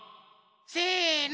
せの！